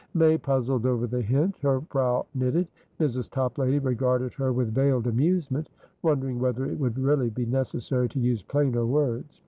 May puzzled over the hint, her brow knitted; Mrs. Toplady regarded her with veiled amusement, wondering whether it would really be necessary to use plainer words.